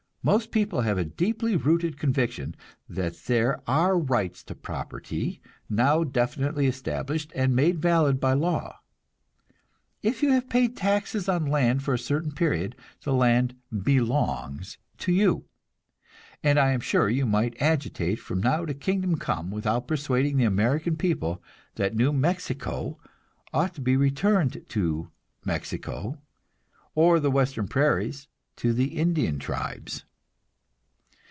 Most people have a deeply rooted conviction that there are rights to property now definitely established and made valid by law. If you have paid taxes on land for a certain period, the land "belongs" to you; and I am sure you might agitate from now to kingdom come without persuading the American people that New Mexico ought to be returned to Mexico, or the western prairies to the Indian tribes.